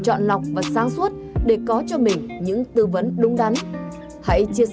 hẹn gặp lại các bạn trong những video tiếp theo